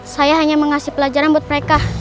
saya hanya memberikan pelajaran untuk mereka